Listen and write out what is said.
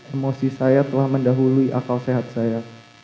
emosi saya telah mendahului akal sehat saya